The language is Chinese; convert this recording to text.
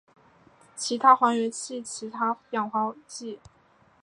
其他还原器其他氧化剂